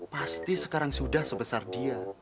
pasti sekarang sudah sebesar dia